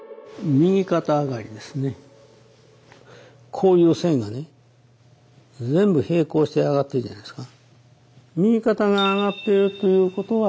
こういう線がね全部並行して上がってるじゃないですか。